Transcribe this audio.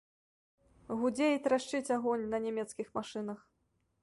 Гудзе і трашчыць агонь на нямецкіх машынах.